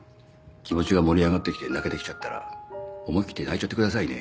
気持ちが盛り上がってきて泣けてきちゃったら思い切って泣いちゃってくださいね。